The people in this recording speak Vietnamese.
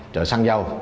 chở xăng dầu